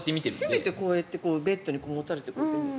せめて、こうやってベッドにもたれてやれば。